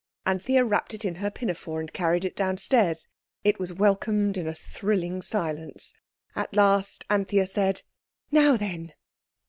Anthea wrapped it in her pinafore and carried it downstairs. It was welcomed in a thrilling silence. At last Anthea said, "Now then!"